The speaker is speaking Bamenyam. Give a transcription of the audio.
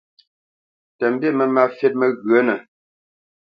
Tə mbî mə́ má fít məghyənə.